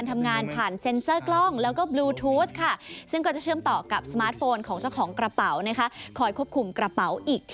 ไม่ใช่